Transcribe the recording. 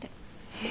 えっ。